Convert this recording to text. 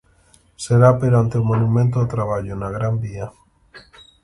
Será perante o Monumento ao Traballo, na Gran Vía.